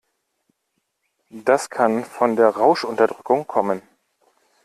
Das kann von der Rauschunterdrückung kommen.